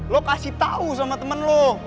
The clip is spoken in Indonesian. lo kasih tau sama temen lo